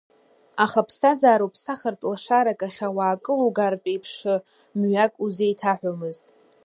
Аха аԥсҭазаара уԥсахыртә, лашарак ахь ауаа кылугартә еиԥш, мҩак узеиҭаҳәомызт.